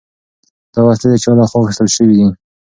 دا وسلې د چا له خوا اخیستل شوي دي؟